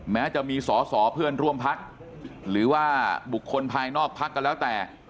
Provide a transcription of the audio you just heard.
แม้จะมีสอสอเพื่อนร่วมพักหรือว่าบุคคลภายนอกพักก็แล้วแต่